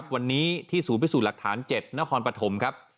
วันนี้ที่ศูนย์พิสูจน์หลักฐาน๗นครปฐมครับ